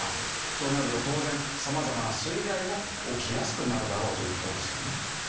となると当然様々な水害も起きやすくなるだろうという事ですよね。